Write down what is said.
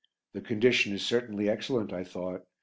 The condition is certainly excellent, I thought.